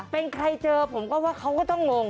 เป็นใครเจอผมก็ว่าเขาก็ต้องงง